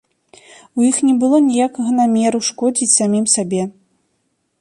У іх не было ніякага намеру шкодзіць самім сабе.